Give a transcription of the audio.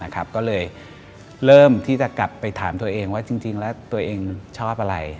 ก็เลยเริ่มที่จะกลับไปถามตัวเองว่าจริงแล้วตัวเองชอบอะไร